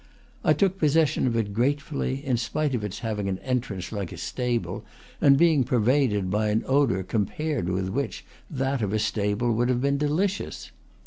I took possession of it gratefully, in spite of its having an entrance like a stable, and being pervaded by an odor compared with which that of a stable would have been delicious.